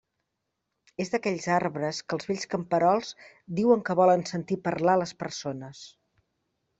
És d'aquells arbres que els vells camperols diuen que volen sentir parlar les persones.